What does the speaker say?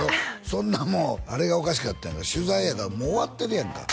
そんなもうあれがおかしかったんが取材やからもう終わってるやんか